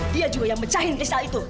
dia juga yang pecahin kristal itu